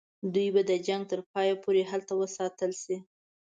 دوی به د جنګ تر پایه پوري هلته وساتل شي.